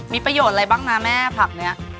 มีประโยชน์อะไรบ้างนะแม่ผักนี้